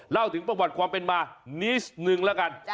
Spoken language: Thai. เล่าถึงประวัติความเป็นมานิดนึงแล้วกัน